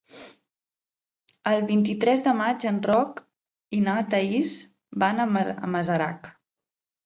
El vint-i-tres de maig en Roc i na Thaís van a Masarac.